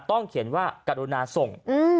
เขียนว่ากรุณาส่ง